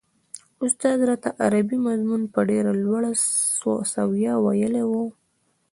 استاد راته عربي مضمون په ډېره لوړه سويه ويلی و.